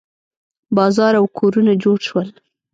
بازار او کورونه جوړ شول.